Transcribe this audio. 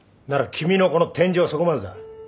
君のこの天井はそこまでだ。